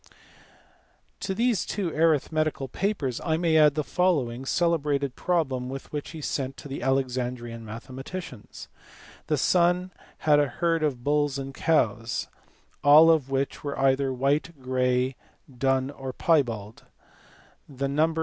To these two arithmetical papers, I may add the following celebrated problem which he sent to the Alexandrian mathe maticians. The sun had a herd of bulls and cows, all of which were either white, grey, dun, or piebald : the number 74 THE FIRST ALEXANDRIAN SCHOOL.